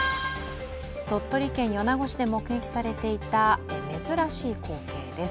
鳥取県米子市で目撃されていた珍しい光景です。